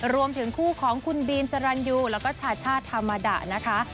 รวมถึงคู่ของคุณบีมสรรยูแล้วก็ชาชาติธรรมดานะคะ